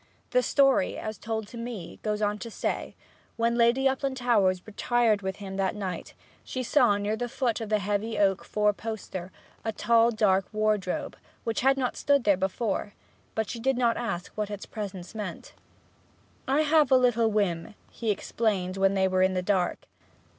The story, as told to me, goes on to say that, when Lady Uplandtowers retired with him that night, she saw near the foot of the heavy oak four poster, a tall dark wardrobe, which had not stood there before; but she did not ask what its presence meant. 'I have had a little whim,' he explained when they were in the dark.